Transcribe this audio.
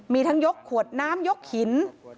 มีทั้งยกขวดน้ำยกหิน